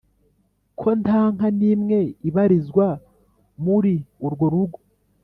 ko nta nka n'imwe ibarizwa muri urwo rugo.